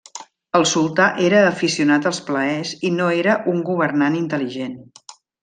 El sultà era aficionat als plaers i no era un governant intel·ligent.